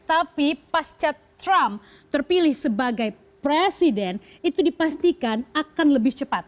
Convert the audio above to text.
tapi pasca trump terpilih sebagai presiden itu dipastikan akan lebih cepat